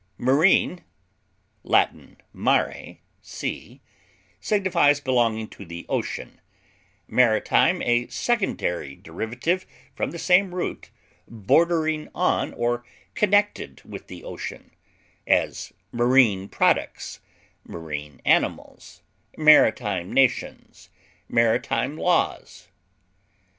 Marine (L. mare, sea) signifies belonging to the ocean, maritime, a secondary derivative from the same root, bordering on or connected with the ocean; as, marine products; marine animals; maritime nations; maritime laws.